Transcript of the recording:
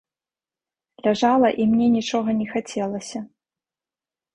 Ляжала, і мне нічога не хацелася.